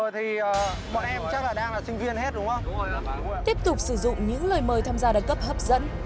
tiếp tục sử dụng những lời mời tham gia đợt cấp hấp dẫn